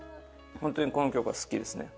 ホントにこの曲は好きですね。